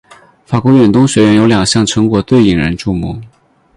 法国远东学院有两项成果最引人注目。